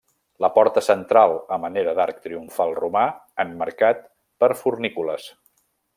La porta central a manera d'arc triomfal romà, emmarcat per fornícules.